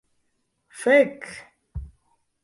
Fek!